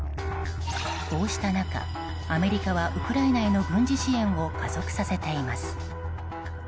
こうした中、アメリカはウクライナへの軍事支援を加速させています。